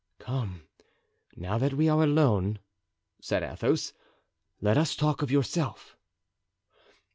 "Come, now that we are alone," said Athos, "let us talk of yourself."